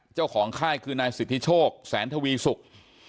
ค่ายคือนายสิทธิโชคแสนทวีศุกร์